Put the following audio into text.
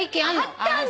あったんだ。